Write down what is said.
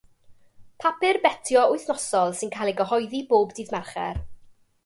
Papur betio wythnosol sy'n cael ei gyhoeddi bob dydd Mercher.